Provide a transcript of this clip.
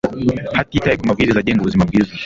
hatitawe ku mabwiriza agenga ubuzima bwiza